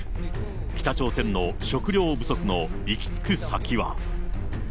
北朝鮮の食料不足の行き着く先は。